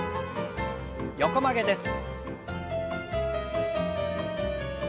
横曲げです。